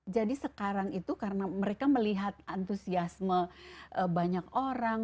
jadi sekarang itu karena mereka melihat antusiasme banyak orang